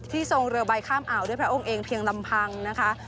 ทรงเรือใบข้ามอ่าวด้วยพระองค์เองเพียงลำพังนะคะ